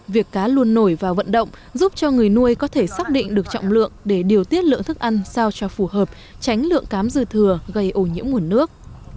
việc cá luôn nổi vào vận động giúp cho người nuôi có thể xác định được trọng lượng để điều tiết lượng thức ăn sao cho phù hợp tránh lượng cám dư thừa gây ổ nhiễm nguồn nước